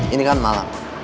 ini kan malam